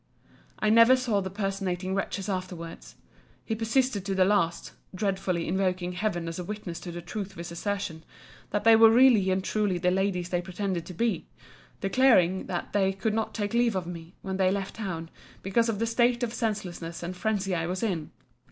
I never saw the personating wretches afterwards. He persisted to the last, (dreadfully invoking Heaven as a witness to the truth of his assertion) that they were really and truly the ladies they pretended to be; declaring, that they could not take leave of me, when they left town, because of the state of senselessness and phrensy I was in.